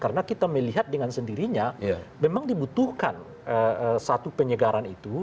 karena kita melihat dengan sendirinya memang dibutuhkan satu penyegaran itu